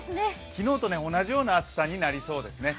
昨日と同じような暑さになりそうですね。